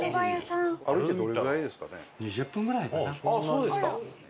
そうですか。